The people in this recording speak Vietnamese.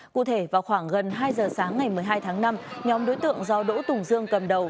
cụ thể vào khoảng gần hai giờ sáng ngày một mươi hai tháng năm nhóm đối tượng do đỗ tùng dương cầm đầu